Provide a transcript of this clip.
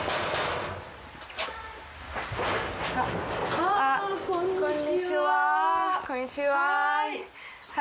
ああこんにちは。